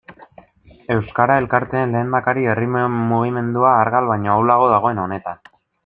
Euskara elkarteen lehendakari, herri mugimendua argal baino ahulago dagoen honetan.